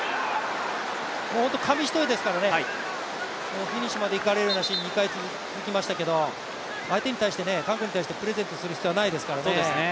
紙一重ですからね、フィニッシュまで行かれるシーン２回続きましたけど韓国に対してプレゼントする必要はないですからね。